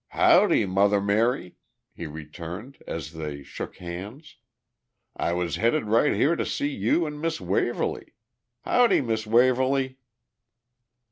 "Howdy, Mother Mary," he returned as they shook hands. "I was headed right here to see you and Miss Waverly. Howdy, Miss Waverly."